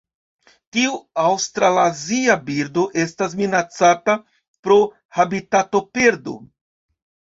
Tiu aŭstralazia birdo estas minacata pro habitatoperdo.